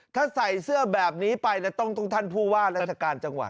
ถ้าใส่เสื้อแบบนี้ไปแล้วต้องท่านผู้ว่าราชการจังหวัด